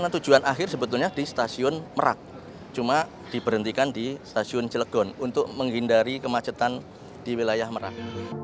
tujuan akhir sebetulnya di stasiun merak cuma diberhentikan di stasiun cilegon untuk menghindari kemacetan di wilayah merak